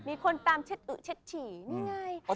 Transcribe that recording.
มีคนตามเช็ดอึเช็ดฉี่นี่ไง